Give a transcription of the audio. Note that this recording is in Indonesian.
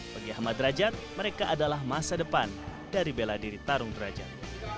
bagi ahmad derajat mereka adalah masa depan dari bela diri tarung derajat